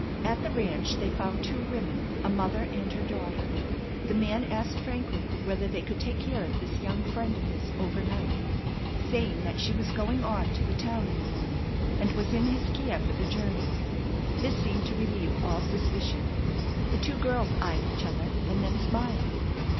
At the ranch they found two women, a mother and her daughter. The man asked frankly whether they could take care of this young friend of his overnight, saying that she was going on to the town in the morning, and was in his care for the journey. This seemed to relieve all suspicion. The two girls eyed each other, and then smiled.